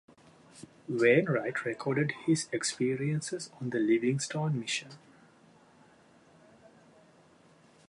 Wainwright recorded his experiences on the Livingstone mission.